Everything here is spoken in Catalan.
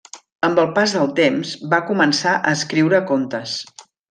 Amb el pas del temps, va començar a escriure contes.